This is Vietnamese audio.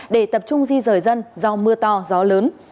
để tập trung di rời dân do mưa to gió lớn